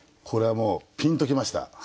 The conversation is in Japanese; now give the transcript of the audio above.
これはもうピンときました。